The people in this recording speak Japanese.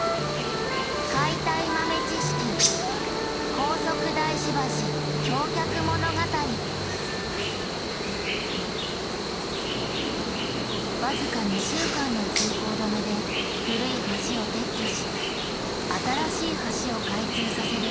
これが僅か２週間の通行止めで古い橋を撤去し新しい橋を開通させる